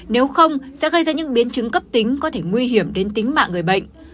nếu không sẽ gây ra những biến chứng cấp tính có thể nguy hiểm đến tính mạng người bệnh